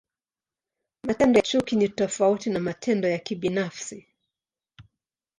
Matendo ya chuki ni tofauti na matendo ya kibinafsi.